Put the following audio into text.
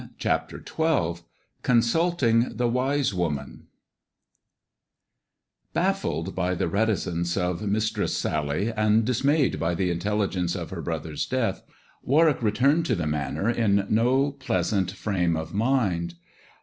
CHAPTER XII CONSULTING THE WISE WOMAN BAFFLED by the reticence of Mistress Sally, and dis mayed by the intelligence of her brother's death, Warwick returned to the Manor in no pleasant frame of THE dwarf's chamber 95 mind.